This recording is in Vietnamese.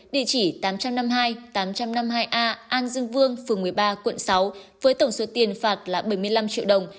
địa chỉ tám trăm năm mươi hai tám trăm năm mươi hai a an dương vương phường một mươi ba quận sáu với tổng số tiền phạt là bảy mươi năm triệu đồng